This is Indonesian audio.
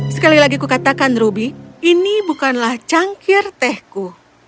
sekali lagi kukatakan ruby ini bukanlah cangkir tehku